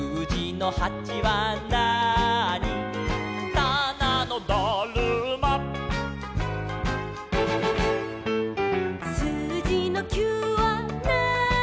「たなのだるま」「すうじの９はなーに」